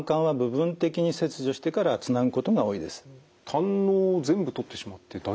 胆のうを全部取ってしまって大丈夫ですか？